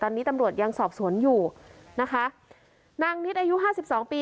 ตอนนี้ตำรวจยังสอบสวนอยู่นะคะนางนิดอายุห้าสิบสองปี